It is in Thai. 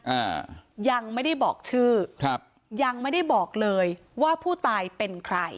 อ่ายังไม่ได้บอกชื่อครับยังไม่ได้บอกเลยว่าผู้ตายเป็นใคร